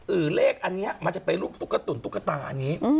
เลขอันนี้มันจะเป็นรูปตุ๊กตุ๋นตุ๊กตาอันนี้